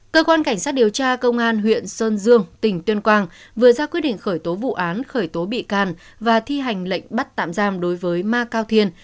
cơ quan cảnh sát điều tra công an huyện sơn dương tỉnh tuyên quang vừa ra quyết định khởi tố vụ án khởi tố bị can và thi hành lệnh bắt tạm giam đối với ma cao thiên